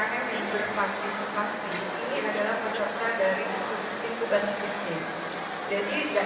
kota sedang berdagai